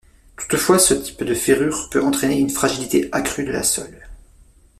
Toutefois, ce type de ferrure peut entraîner une fragilité accrue de la sole.